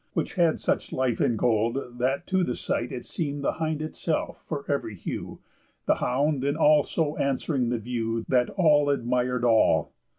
Which had such life in gold, that to the sight It seem'd the hind itself for ev'ry hue, The hound and all so answering the view, That all admir'd all.